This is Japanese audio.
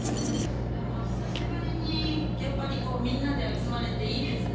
久しぶりに、やっぱりみんなで集まれていいですね。